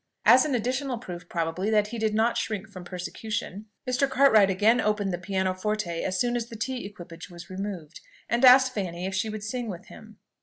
As an additional proof, probably, that he did not shrink from persecution, Mr. Cartwright again opened the piano forte as soon as the tea equipage was removed, and asked Fanny if she would sing with him.